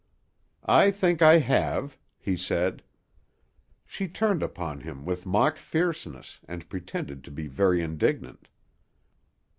"I think I have," he said. She turned upon him with mock fierceness, and pretended to be very indignant.